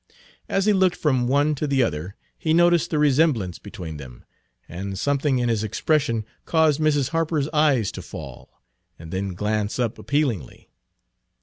As he looked from one to the other he noticed the resemblance between them, and something in his expression caused Mrs. Harper's eyes to fall, and then glance up appealingly.